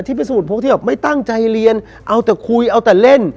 ที่เป็นสมุทรโพกที่แหล่ะเหมือนไม่ตั้งใจเรียนเอาแต่คุยเอาแต่เล่น